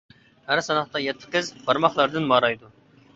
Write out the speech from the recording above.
ھەر ساناقتا يەتتە قىز، بارماقلاردىن مارايدۇ!